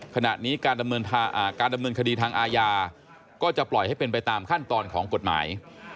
ขณะนี้การดำเนินคดีทางอาญาก็จะปล่อยให้เป็นไปตามขั้นตอนของกฎหมาย